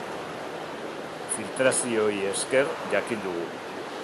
Filtrazioei esker jakin dugu.